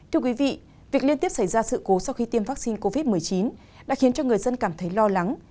thưa quý vị việc liên tiếp xảy ra sự cố sau khi tiêm vaccine covid một mươi chín đã khiến cho người dân cảm thấy lo lắng